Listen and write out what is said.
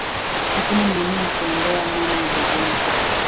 Hakuna maeneo ya kuondoa amana ya bidhaa